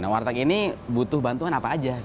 warteg ini butuh bantuan apa saja